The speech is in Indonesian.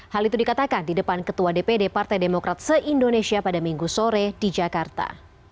hal itu dikatakan di depan ketua dpd partai demokrat se indonesia pada minggu sore di jakarta